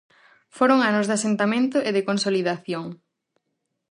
Foron anos de asentamento e de consolidación.